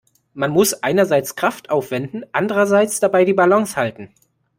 Man muss einerseits Kraft aufwenden, andererseits dabei die Balance halten.